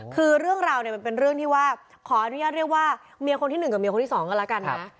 คือเรื่องราวเนี่ยมันเป็นเรื่องที่ว่าขออนุญาตเรียกว่าเมียคนที่๑กับเมียคนที่สองกันแล้วกันนะ